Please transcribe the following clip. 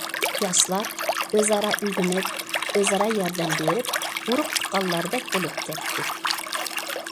ياشلار ئۆز ئارا ئۆگىنىپ، ئۆز ئارا ياردەم بېرىپ، ئۇرۇق تۇغقانلاردەك بولۇپ كەتتى.